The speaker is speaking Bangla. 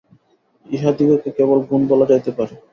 ইহাদিগকে কেবল গুণ বলা যাইতে পারে।